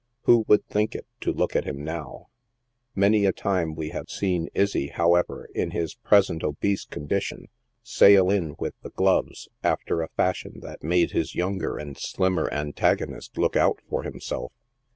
Who would think it, to look at him now ? Many a time we have seen Izzy, however, in his present obese condition, " sail in" with the gloves, after a fashion that made his younger and slimmer antagonist look out for himself.